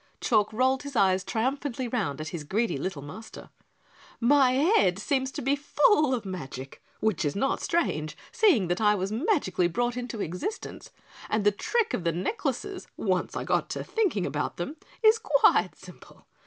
Chalk rolled his eyes triumphantly round at his greedy little Master. "My head seems to be full of magic, which is not strange, seeing that I was magically brought into existence and the trick of the necklaces once I got to thinking about them is quite simple.